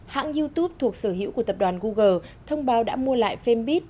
hãng youtube thuộc sở hữu của tập đoàn google thông báo đã mua lại fanbit